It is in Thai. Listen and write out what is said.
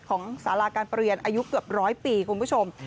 ของสาราการเปรียญอายุเกือบ๑๐๐ปีคุณผู้ชม